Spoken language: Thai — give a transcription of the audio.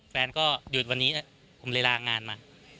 แฟนก็หยุดวันนี้ผมเลยลางานมา